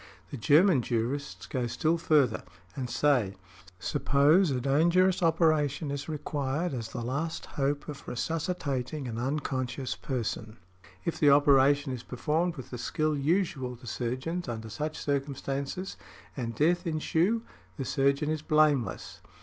The German Jurists go still further and say, suppose a dangerous operation is required as the last hope of resuscitating an unconscious person; if the operation is performed with the skill usual to surgeons under such circumstances, and death ensue, the surgeon is blameless .